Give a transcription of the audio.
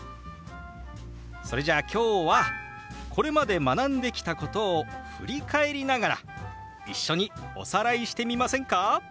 それじゃあ今日はこれまで学んできたことを振り返りながら一緒におさらいしてみませんか？